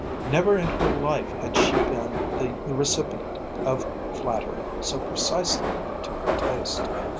Never in her life had she been the recipient of flattery so precisely to her taste.